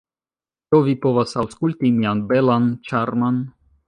Do vi povas aŭskulti mian belan, ĉarman